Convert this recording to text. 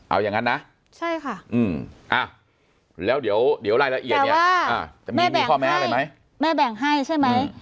เอาอย่างนั้นนะใช่ค่ะแล้วเดี๋ยวรายละเอียดเนี่ยแม่แบ่งให้ใช่ไหม